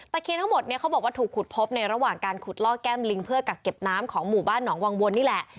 เคียนทั้งหมดเนี่ยเขาบอกว่าถูกขุดพบในระหว่างการขุดลอกแก้มลิงเพื่อกักเก็บน้ำของหมู่บ้านหนองวังวลนี่แหละ